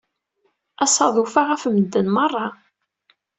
Asaḍuf-a ɣef medden merra.